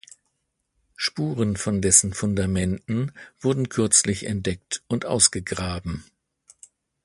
Spuren von dessen Fundamenten wurden kürzlich entdeckt und ausgegraben.